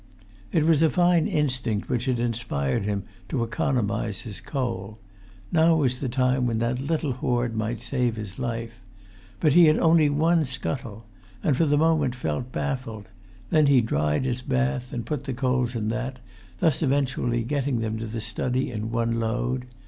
It was a fine instinct which had inspired him to economise his coal; now was the time when that little hoard might save his life. But he had only one scuttle, and for the moment felt baffled; then he dried his bath, and put the coals in that, thus eventually getting them to the study in one load.